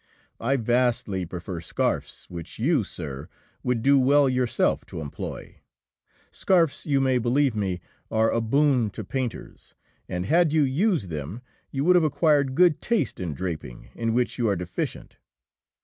I vastly prefer scarfs, which you, sir, would do well yourself to employ. Scarfs, you may believe me, are a boon to painters, and had you used them you would have acquired good taste in draping, in which you are deficient.